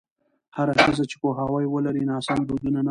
هره ښځه چې پوهاوی ولري، ناسم دودونه نه مني.